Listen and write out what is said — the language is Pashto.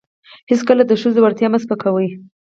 هیڅکله د ښځو وړتیاوې مه سپکوئ.